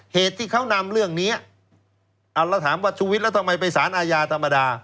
เหตุที่เขานำเรื่องนี้เอาแล้วถามว่าชุวิตแล้วทำไมไปสารอาญาธรรมดา